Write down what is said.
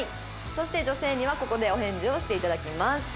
そして女性にはここでお返事をしていただきます。